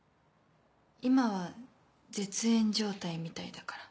今は絶縁状態みたいだから。